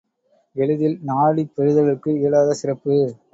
எளிதில் நாடிப் பெறுதலுக்கு இயலாத சிறப்பு!